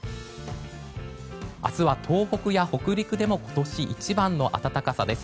明日は東北や北陸でも今年一番の暖かさです。